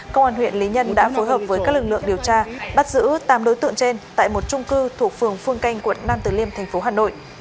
công an huyện lý nhân đã phối hợp với các lực lượng điều tra bắt giữ tám đối tượng trên tại một trung cư thuộc phường phương canh quận nam từ liêm thành phố hà nội